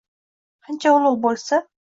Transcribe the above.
Qancha ulug’ bo’lsa